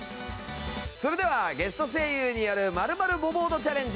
それではゲスト声優による“○○ボ”ボードチャレンジ。